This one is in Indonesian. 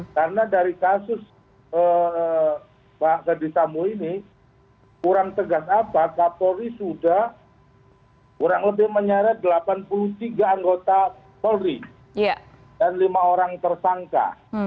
karena dari kasus pak keditamu ini kurang tegas apa pak kapoli sudah kurang lebih menyeret delapan puluh tiga anggota polri dan lima orang tersangka